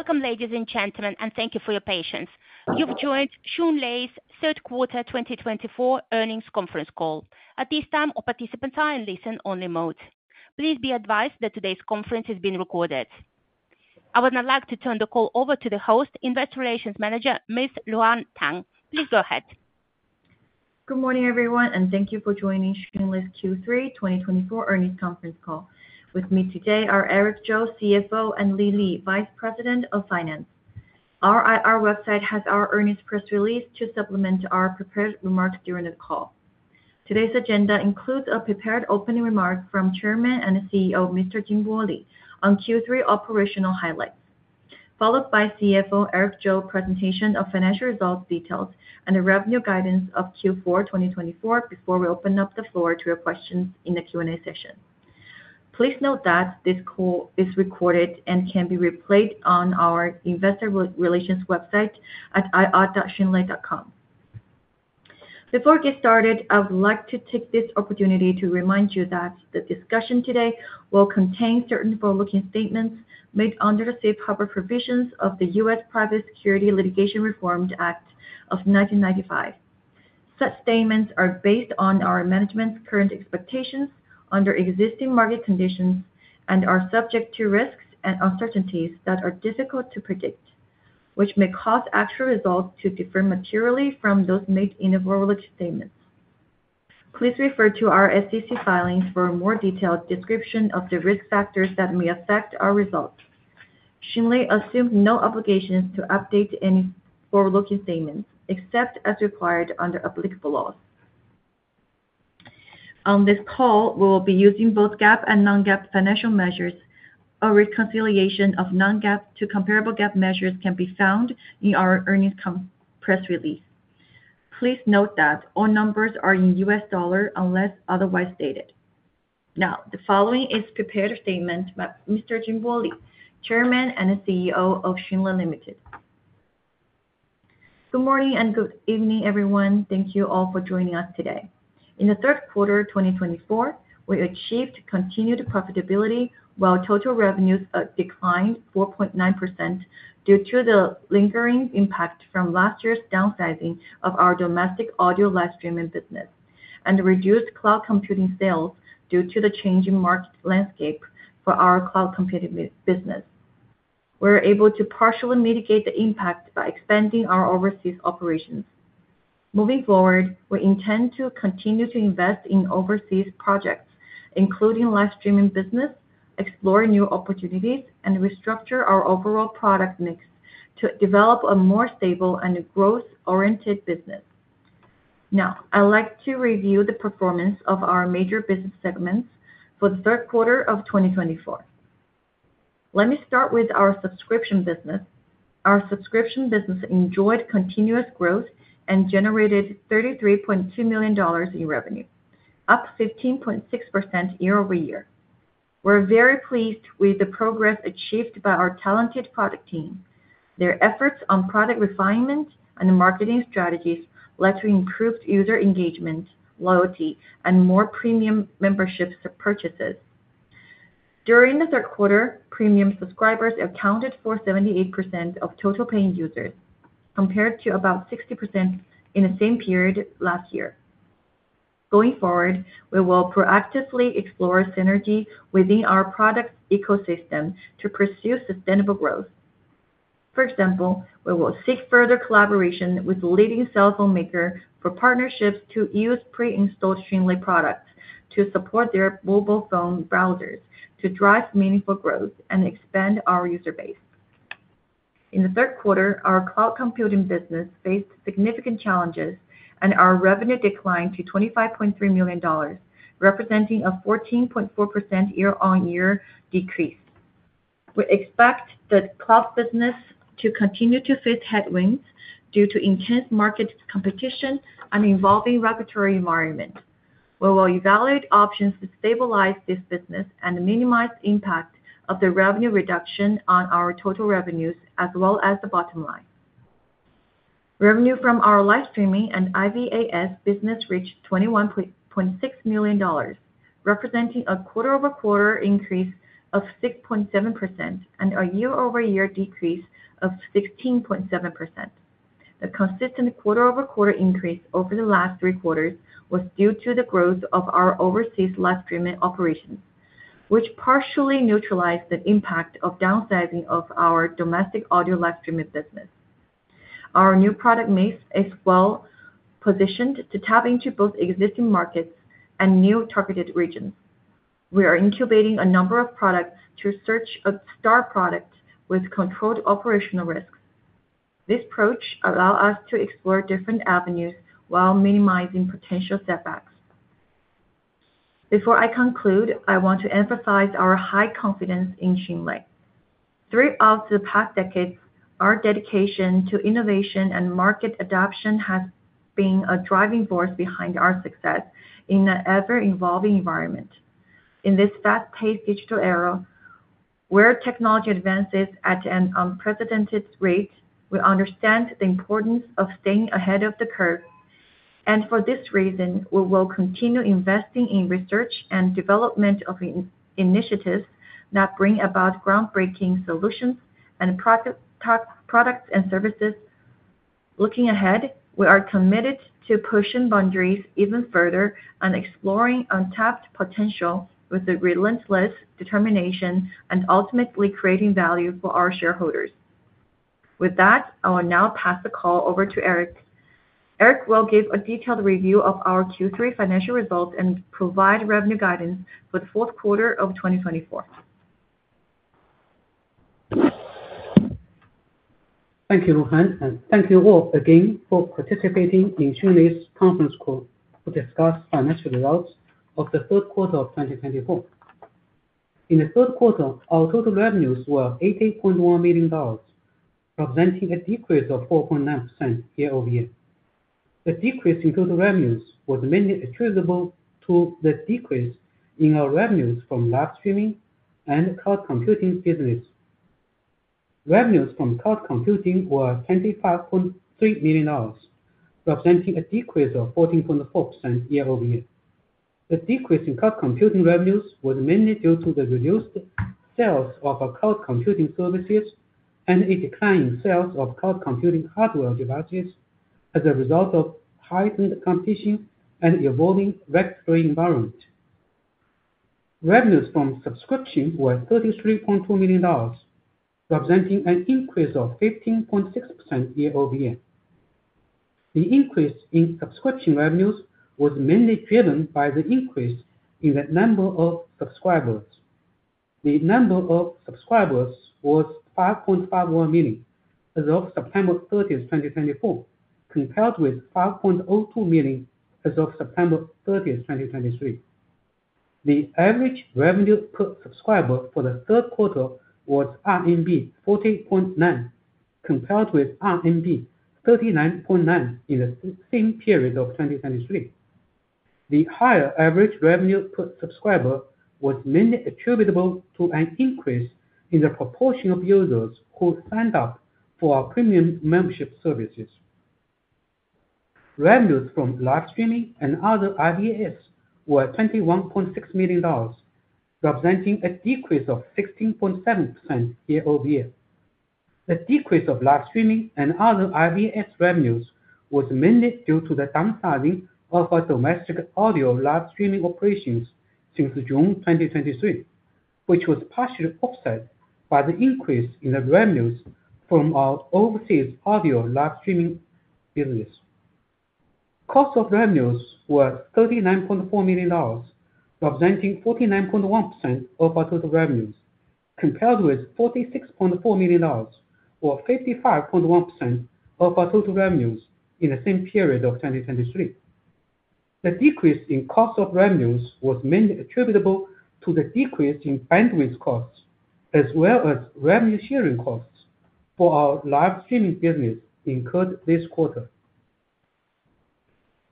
Welcome, ladies and gentlemen, and thank you for your patience. You've joined Xunlei Limited's third quarter 2024 earnings conference call. At this time, all participants are in listen-only mode. Please be advised that today's conference is being recorded. I would now like to turn the call over to the host, Investor Relations Manager, Luhan Tang. Please go ahead. Good morning, everyone, and thank you for joining Xunlei Limited Q3 2024 earnings conference call. With me today are Eric Zhou, CFO, and Li Li, Vice President of Finance. Our IR website has our earnings press release to supplement our prepared remarks during the call. Today's agenda includes a prepared opening remark from Chairman and CEO, Mr. Jinbo Li, on Q3 operational highlights, followed by CFO Eric Zhou's presentation of financial results details and the revenue guidance of Q4 2024 before we open up the floor to your questions in the Q&A session. Please note that this call is recorded and can be replayed on our Investor Relations website at ir.xunlei.com. Before we get started, I would like to take this opportunity to remind you that the discussion today will contain certain forward-looking statements made under the safe harbor provisions of the U.S. Private Securities Litigation Reform Act of 1995. Such statements are based on our management's current expectations under existing market conditions and are subject to risks and uncertainties that are difficult to predict, which may cause actual results to differ materially from those made in forward-looking statements. Please refer to our SEC filings for a more detailed description of the risk factors that may affect our results. Xunlei Limited assumes no obligations to update any forward-looking statements except as required under applicable laws. On this call, we will be using both GAAP and non-GAAP financial measures. A reconciliation of non-GAAP to comparable GAAP measures can be found in our earnings press release. Please note that all numbers are in U.S. dollars unless otherwise stated. Now, the following is a prepared statement by Mr. Jinbo Li, Chairman and CEO of Xunlei Limited. Good morning and good evening, everyone. Thank you all for joining us today. In the third quarter of 2024, we achieved continued profitability while total revenues declined 4.9% due to the lingering impact from last year's downsizing of our domestic audio live streaming business and reduced cloud computing sales due to the changing market landscape for our cloud computing business. We were able to partially mitigate the impact by expanding our overseas operations. Moving forward, we intend to continue to invest in overseas projects, including live streaming business, explore new opportunities, and restructure our overall product mix to develop a more stable and growth-oriented business. Now, I'd like to review the performance of our major business segments for the third quarter of 2024. Let me start with our subscription business. Our subscription business enjoyed continuous growth and generated $33.2 million in revenue, up 15.6% year over year. We're very pleased with the progress achieved by our talented product team. Their efforts on product refinement and marketing strategies led to improved user engagement, loyalty, and more premium membership purchases. During the third quarter, premium subscribers accounted for 78% of total paying users, compared to about 60% in the same period last year. Going forward, we will proactively explore synergy within our product ecosystem to pursue sustainable growth. For example, we will seek further collaboration with the leading cell phone maker for partnerships to use pre-installed Xunlei Limited products to support their mobile phone browsers to drive meaningful growth and expand our user base. In the third quarter, our cloud computing business faced significant challenges, and our revenue declined to $25.3 million, representing a 14.4% year-on-year decrease. We expect the cloud business to continue to face headwinds due to intense market competition and an evolving regulatory environment. We will evaluate options to stabilize this business and minimize the impact of the revenue reduction on our total revenues as well as the bottom line. Revenue from our live streaming and IVAS business reached $21.6 million, representing a quarter-over-quarter increase of 6.7% and a year-over-year decrease of 16.7%. The consistent quarter-over-quarter increase over the last three quarters was due to the growth of our overseas live streaming operations, which partially neutralized the impact of downsizing of our domestic audio live streaming business. Our new product mix is well-positioned to tap into both existing markets and new targeted regions. We are incubating a number of products to search a star product with controlled operational risks. This approach allows us to explore different avenues while minimizing potential setbacks. Before I conclude, I want to emphasize our high confidence in Xunlei Limited. Throughout the past decades, our dedication to innovation and market adoption has been a driving force behind our success in an ever-evolving environment. In this fast-paced digital era, where technology advances at an unprecedented rate, we understand the importance of staying ahead of the curve, and for this reason, we will continue investing in research and development of initiatives that bring about groundbreaking solutions and products and services. Looking ahead, we are committed to pushing boundaries even further and exploring untapped potential with relentless determination and ultimately creating value for our shareholders. With that, I will now pass the call over to Eric Zhou. Eric Zhou will give a detailed review of our Q3 financial results and provide revenue guidance for the fourth quarter of 2024. Thank you, Luhan, and thank you all again for participating in Xunlei Limited's conference call to discuss financial results of the third quarter of 2024. In the third quarter, our total revenues were $18.1 million, representing a decrease of 4.9% year-over-year. The decrease in total revenues was mainly attributable to the decrease in our revenues from live streaming and cloud computing business. Revenues from cloud computing were $25.3 million, representing a decrease of 14.4% year-over-year. The decrease in cloud computing revenues was mainly due to the reduced sales of our cloud computing services and a declining sales of cloud computing hardware devices as a result of heightened competition and evolving regulatory environment. Revenues from subscription were $33.2 million, representing an increase of 15.6% year-over-year. The increase in subscription revenues was mainly driven by the increase in the number of subscribers. The number of subscribers was 5.51 million as of September 30, 2024, compared with 5.02 million as of September 30, 2023. The average revenue per subscriber for the third quarter was RMB 14.9, compared with RMB 39.9 in the same period of 2023. The higher average revenue per subscriber was mainly attributable to an increase in the proportion of users who signed up for our premium membership services. Revenues from live streaming and other IVAS were $21.6 million, representing a decrease of 16.7% year-over-year. The decrease of live streaming and other IVAS revenues was mainly due to the downsizing of our domestic audio live streaming operations since June 2023, which was partially offset by the increase in the revenues from our overseas audio live streaming business. Cost of revenues were $39.4 million, representing 49.1% of our total revenues, compared with $46.4 million, or 55.1% of our total revenues in the same period of 2023. The decrease in cost of revenues was mainly attributable to the decrease in bandwidth costs, as well as revenue sharing costs for our live streaming business incurred this quarter.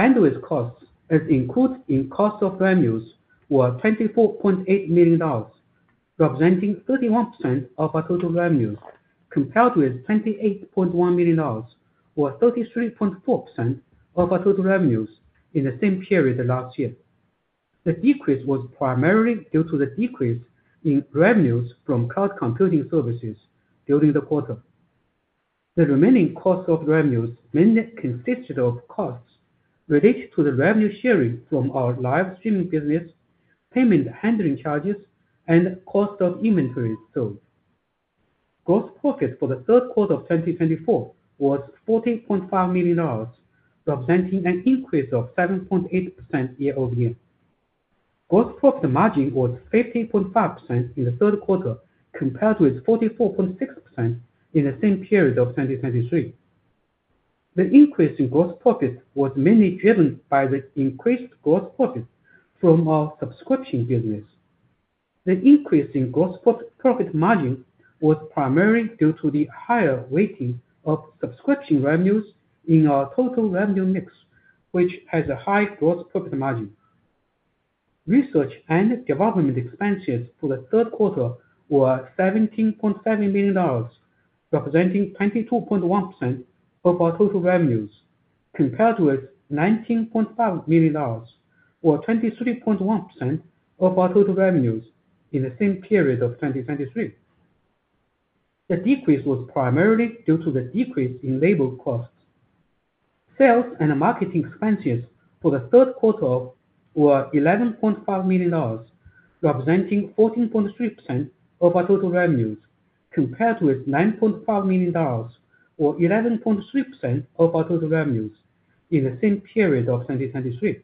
Bandwidth costs as included in cost of revenues were $24.8 million, representing 31% of our total revenues, compared with $28.1 million, or 33.4% of our total revenues in the same period last year. The decrease was primarily due to the decrease in revenues from cloud computing services during the quarter. The remaining cost of revenues mainly consisted of costs related to the revenue sharing from our live streaming business, payment handling charges, and cost of inventory sold. Gross profit for the third quarter of 2024 was $14.5 million, representing an increase of 7.8% year-over-year. Gross profit margin was 50.5% in the third quarter, compared with 44.6% in the same period of 2023. The increase in gross profit was mainly driven by the increased gross profit from our subscription business. The increase in gross profit margin was primarily due to the higher weighting of subscription revenues in our total revenue mix, which has a high gross profit margin. Research and development expenses for the third quarter were $17.7 million, representing 22.1% of our total revenues, compared with $19.5 million, or 23.1% of our total revenues in the same period of 2023. The decrease was primarily due to the decrease in labor costs. Sales and marketing expenses for the third quarter were $11.5 million, representing 14.3% of our total revenues, compared with $9.5 million, or 11.3% of our total revenues in the same period of 2023.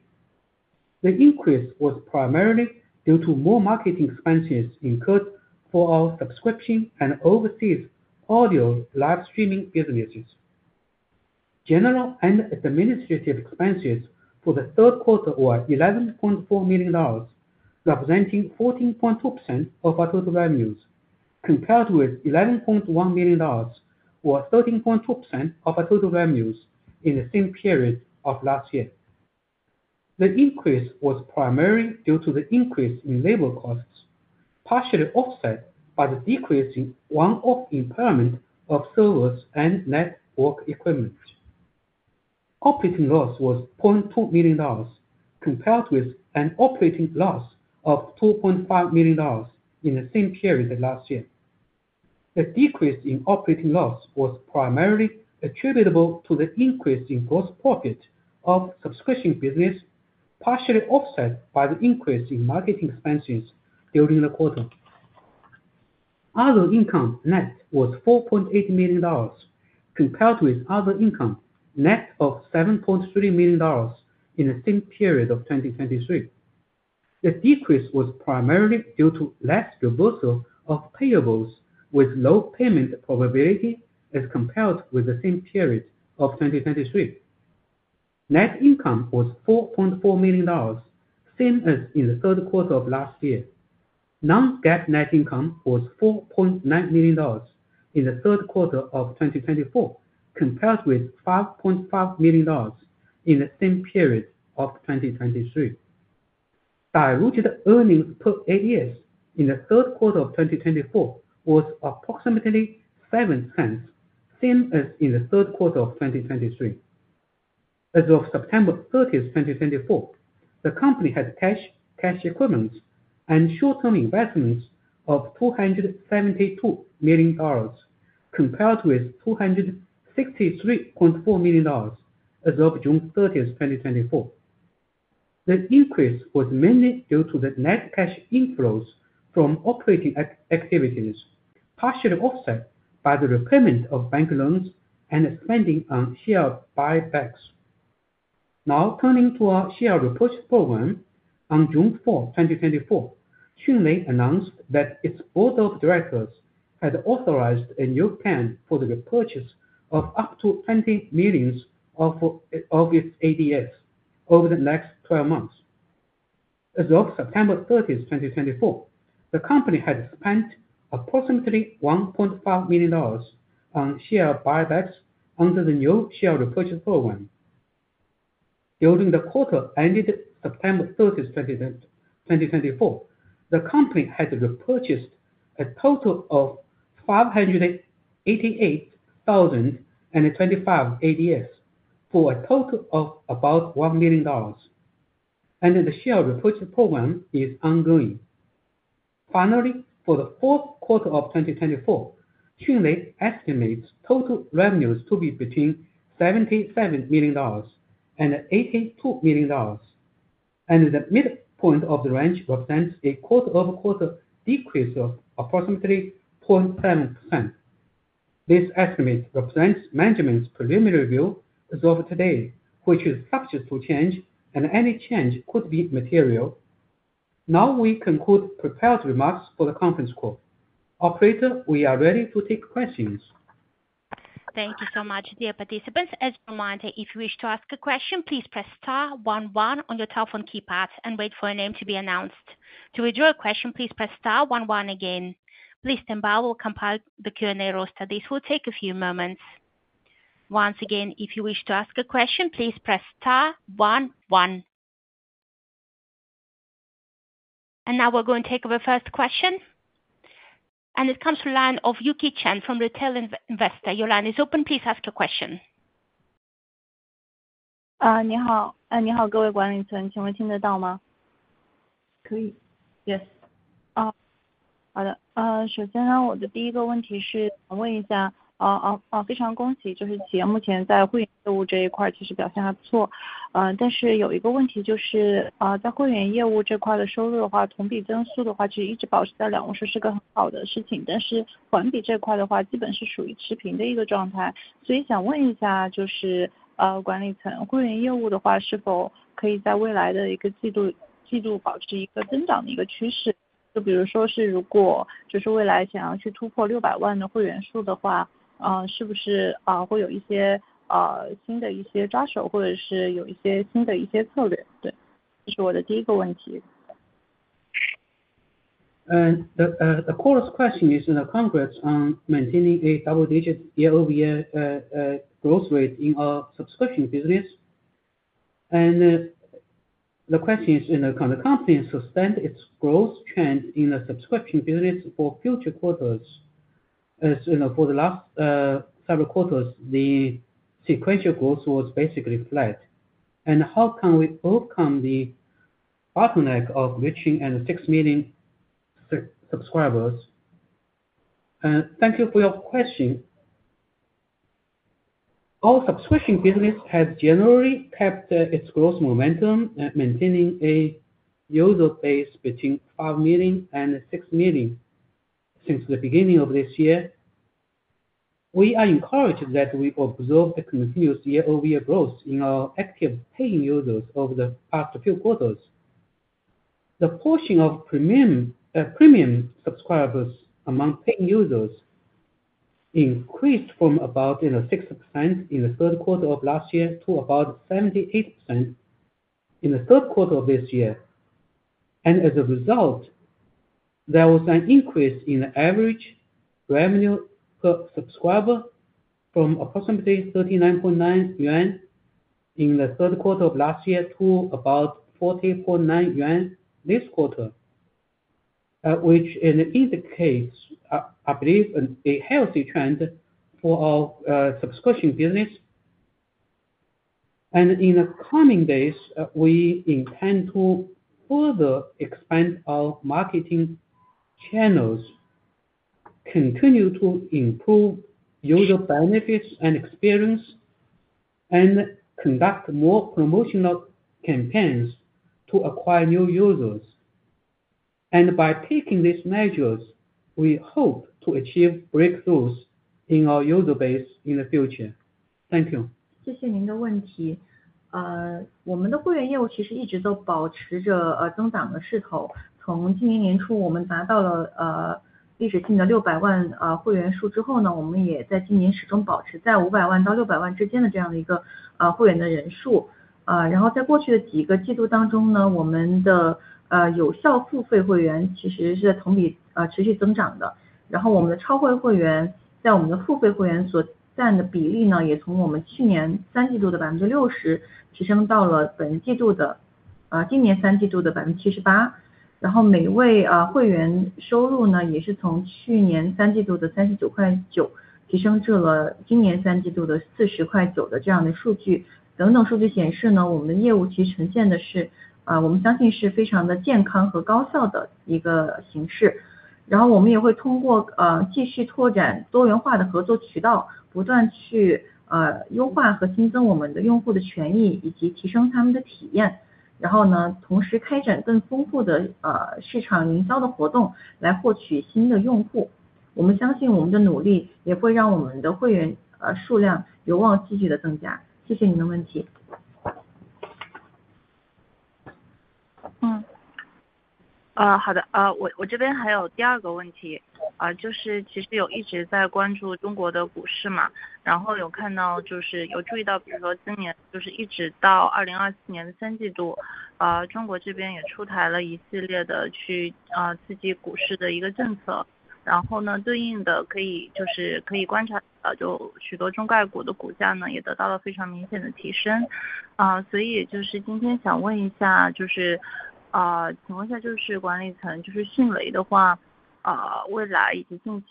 The increase was primarily due to more marketing expenses incurred for our subscription and overseas audio live streaming businesses. General and administrative expenses for the third quarter were $11.4 million, representing 14.2% of our total revenues, compared with $11.1 million, or 13.2% of our total revenues in the same period of last year. The increase was primarily due to the increase in labor costs, partially offset by the decrease in one-off impairment of servers and network equipment. Operating loss was $0.2 million, compared with an operating loss of $2.5 million in the same period last year. The decrease in operating loss was primarily attributable to the increase in gross profit of subscription business, partially offset by the increase in marketing expenses during the quarter. Other income net was $4.8 million, compared with other income net of $7.3 million in the same period of 2023. The decrease was primarily due to less reversal of payables with low payment probability as compared with the same period of 2023. Net income was $4.4 million, same as in the third quarter of last year. Non-GAAP net income was $4.9 million in the third quarter of 2024, compared with $5.5 million in the same period of 2023. Diluted earnings per ADS in the third quarter of 2024 was approximately $0.07, same as in the third quarter of 2023. As of September 30, 2024, the company had cash, cash equivalents, and short-term investments of $272 million, compared with $263.4 million as of June 30, 2024. The increase was mainly due to the net cash inflows from operating activities, partially offset by the repayment of bank loans and spending on share buybacks. Now, turning to our share repurchase program, on June 4, 2024, Xunlei Limited announced that its board of directors had authorized a new plan for the repurchase of up to $20 million of its ADS over the next 12 months. As of September 30, 2024, the company had spent approximately $1.5 million on share buybacks under the new share repurchase program. During the quarter ended September 30, 2024, the company had repurchased a total of 588,025 ADS for a total of about $1 million. The share repurchase program is ongoing. Finally, for the fourth quarter of 2024, Xunlei Limited estimates total revenues to be between $77 million and $82 million, and the midpoint of the range represents a quarter-over-quarter decrease of approximately 0.7%. This estimate represents management's preliminary view as of today, which is subject to change, and any change could be material. Now, we conclude prepared remarks for the conference call. Operator, we are ready to take questions. Thank you so much, dear participants. As a reminder, if you wish to ask a question, please press *11 on your telephone keypad and wait for your name to be announced. To withdraw a question, please press *11 again. Lynn and Rourke will compile the Q&A roster. This will take a few moments. Once again, if you wish to ask a question, please press *11. And now we're going to take our first question. And it comes from the line of Yuki Chen from a retail investor. Your line is open. Please ask your question. 你好，各位观众，请问听得到吗？ 可以，yes。The core question is in the context of maintaining a double-digit year-over-year growth rate in our subscription business, and the question is, can the company sustain its growth trend in the subscription business for future quarters? For the last several quarters, the sequential growth was basically flat, and how can we overcome the bottleneck of reaching six million subscribers? Thank you for your question. Our subscription business has generally kept its growth momentum, maintaining a user base between five million and six million since the beginning of this year. We are encouraged that we observe a continuous year-over-year growth in our active paying users over the past few quarters. The portion of premium subscribers among paying users increased from about 6% in the third quarter of last year to about 78% in the third quarter of this year. As a result, there was an increase in the average revenue per subscriber from approximately 39.9 yuan in the third quarter of last year to about 40.9 yuan this quarter, which indicates, I believe, a healthy trend for our subscription business. In the coming days, we intend to further expand our marketing channels, continue to improve user benefits and experience, and conduct more promotional campaigns to acquire new users. By taking these measures, we hope to achieve breakthroughs in our user base in the future. Thank you. The question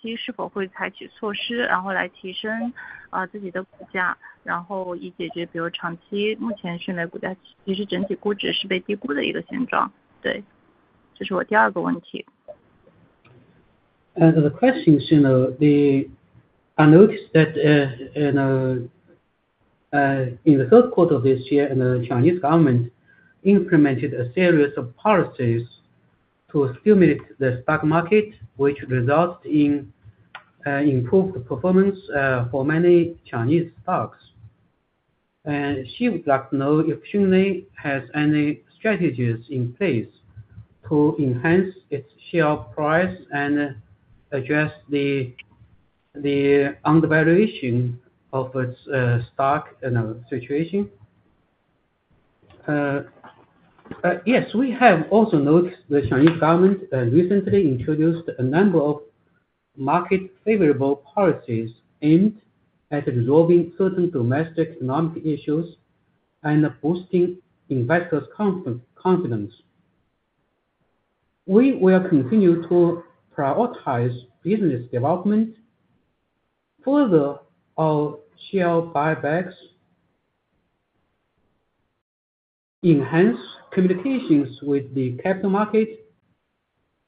is, I noticed that in the third quarter of this year, the Chinese government implemented a series of policies to stimulate the stock market, which resulted in improved performance for many Chinese stocks, and she would like to know if Xunlei has any strategies in place to enhance its share price and address the undervaluation of its stock situation? Yes, we have also noticed the Chinese government recently introduced a number of market-favorable policies aimed at resolving certain domestic economic issues and boosting investors' confidence. We will continue to prioritize business development, further our share buybacks, enhance communications with the capital market,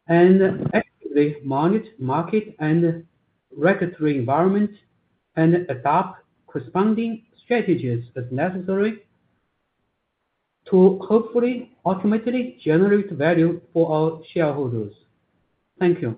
and actively monitor market and regulatory environment, and adopt corresponding strategies as necessary to hopefully ultimately generate value for our shareholders. Thank you.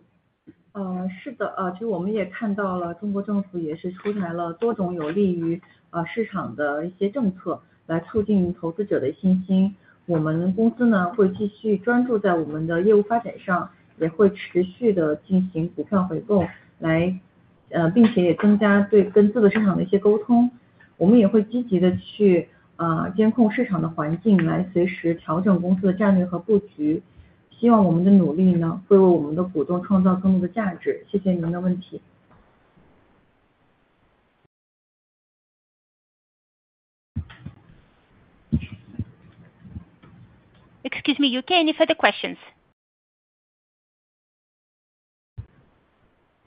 Excuse me, you okay? Any further questions?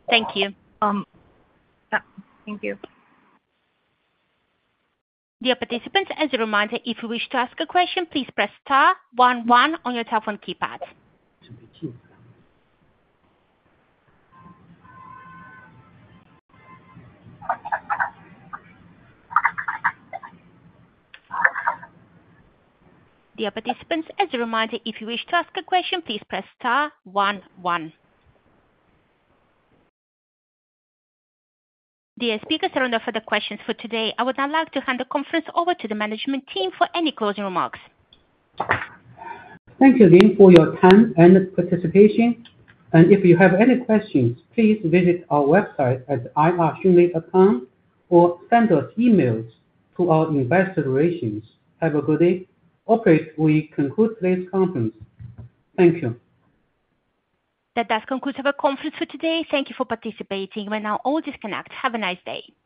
Thank you. Thank you. Dear participants, as a reminder, if you wish to ask a question, please press *11 on your telephone keypad. Dear participants, as a reminder, if you wish to ask a question, please press *11. Dear speakers, there are no further questions for today. I would now like to hand the conference over to the management team for any closing remarks. Thank you again for your time and participation. If you have any questions, please visit our website at ir.xunlei.com or send us emails to our investor relations. Have a good day. Operator, we conclude today's conference. Thank you. That does conclude today's conference for today. Thank you for participating. We're now all disconnected. Have a nice day.